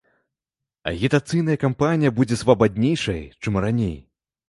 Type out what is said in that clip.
Агітацыйная кампанія будзе свабаднейшай, чым раней.